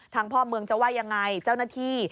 พ่อเมืองจะว่ายังไงเจ้าหน้าที่